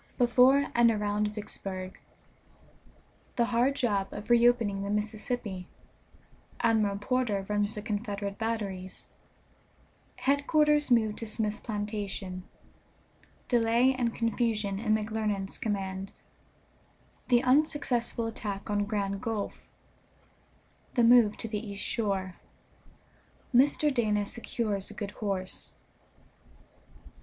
BEFORE AND AROUND VICKSBURG. The hard job of reopening the Mississippi Admiral Porter runs the Confederate batteries Headquarters moved to Smith's plantation Delay and confusion in McClernand's command The unsuccessful attack on Grand Gulf The move to the east shore Mr. Dana secures a good horse.